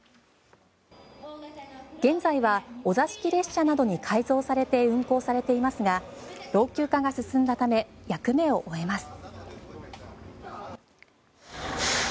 現在はお座敷列車などに改造されて運行されていますが老朽化が進んだため役目を終えます。